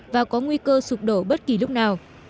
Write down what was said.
và có nguy cơ sụp đổ bất kỳ lúc nào